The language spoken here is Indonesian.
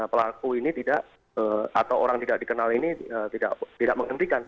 pelaku ini tidak atau orang tidak dikenal ini tidak menghentikan